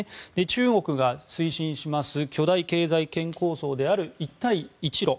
中国が推進します巨大経済圏構想である一帯一路。